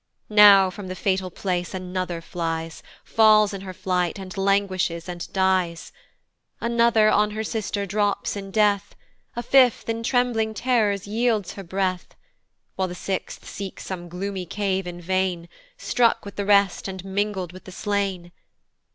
Now from the fatal place another flies, Falls in her flight, and languishes, and dies. Another on her sister drops in death; A fifth in trembling terrors yields her breath; While the sixth seeks some gloomy cave in vain, Struck with the rest, and mingled with the slain.